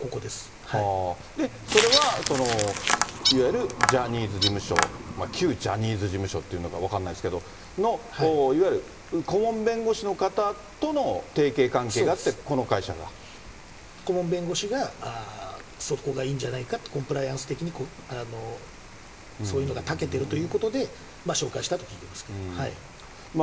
それはいわゆる、ジャニーズ事務所、旧ジャニーズ事務所っていうのか分かんないですけど、の、いわゆる顧問弁護士の方との提携関係があって、この会社が？顧問弁護士が、そこがいいんじゃないか、コンプライアンス的に、そういうのがたけてるということで、紹介したと聞いてますけど。